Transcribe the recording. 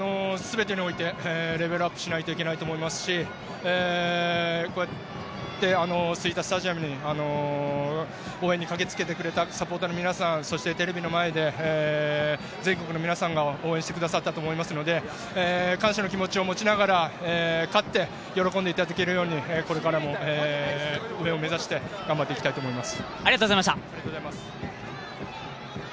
全てにおいてこうやって吹田スタジアム、応援に駆けつけてくれたサポーターの皆さん、そしてテレビの前で全国の皆さんが応援してくださったと思いますので、感謝の気持ちを持ちながら勝って喜んでいただけるようにこれからも、上を目指して頑張っていきたいと思います。